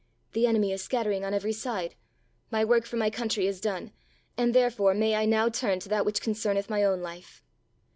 "The enemy is scattering on every side. My work for my country is done and therefore may I now turn to that which concerneth my own life."